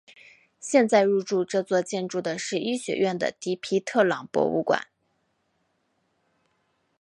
现在入驻这座建筑的是医学院的迪皮特朗博物馆。